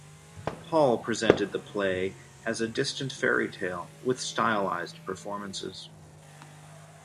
Hall presented the play as a distant fairy tale, with stylised performances.